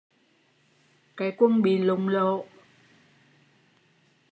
Cái quần bị lụng lộ